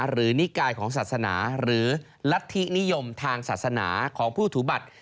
นิกายของศาสนาหรือรัฐธินิยมทางศาสนาของผู้ถือบัตร